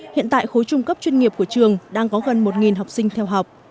hiện tại khối trung cấp chuyên nghiệp của trường đang có gần một học sinh theo học